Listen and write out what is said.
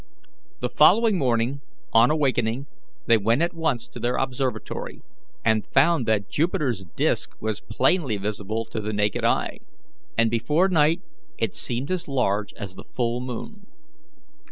The following morning, on awakening, they went at once to their observatory, and found that Jupiter's disk was plainly visible to the naked eye, and before night it seemed as large as the full moon.